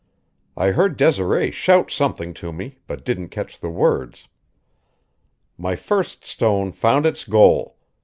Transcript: I heard Desiree shout something at me, but didn't catch the words. My first stone found its goal.